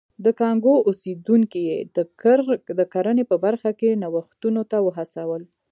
د کانګو اوسېدونکي یې د کرنې په برخه کې نوښتونو ته وهڅول.